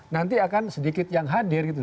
nanti akan sedikit yang hadir gitu